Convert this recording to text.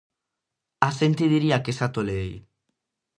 A xente diría que xa toleei.